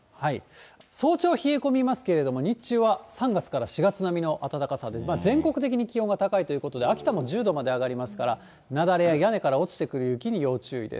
早朝冷え込みますけど、日中は３月から４月並みの暖かさで、全国的に気温が高いということで、秋田も１０度まで上がりますから、雪崩や屋根から落ちてくる雪に要注意です。